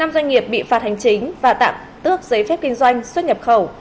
năm doanh nghiệp bị phạt hành chính và tạm tước giấy phép kinh doanh xuất nhập khẩu